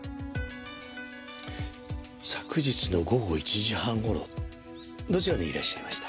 昨日の午後１時半頃どちらにいらっしゃいました？